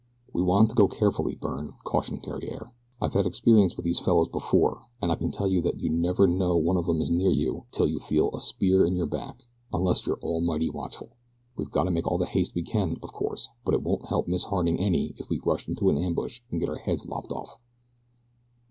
"We want to go carefully, Byrne," cautioned Theriere. "I've had experience with these fellows before, and I can tell you that you never know when one of 'em is near you till you feel a spear in your back, unless you're almighty watchful. We've got to make all the haste we can, of course, but it won't help Miss Harding any if we rush into an ambush and get our heads lopped off."